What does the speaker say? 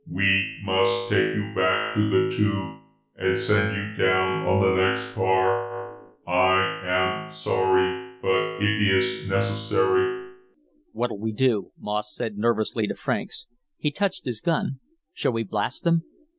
"We must take you back to the Tube and send you down on the next car. I am sorry, but it is necessary." "What'll we do?" Moss said nervously to Franks. He touched his gun. "Shall we blast them?"